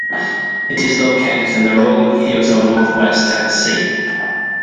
It is located in the "rolling hills of northwest Tennessee".